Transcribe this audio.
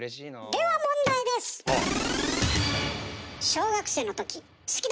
では問題です！ああ。